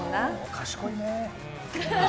賢いね。